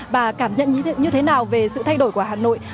bà cảm nhận nhí như thế nào về sự thay đổi của hà nội